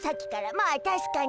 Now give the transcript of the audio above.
まあたしかに。